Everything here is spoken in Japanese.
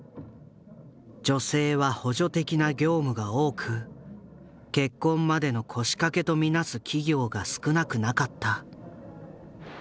女性は補助的な業務が多く結婚までの腰掛けとみなす企業が少なくなかった。